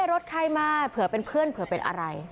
รถใครมาเผื่อเป็นเพื่อนเผื่อเป็นอะไร